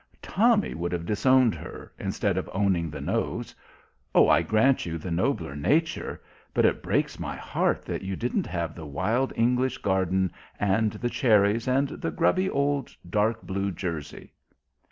"Tommy would have disowned her, instead of owning the nose. Oh, I grant you the nobler nature ... but it breaks my heart that you didn't have the wild English garden and the cherries and the grubby old dark blue jersey."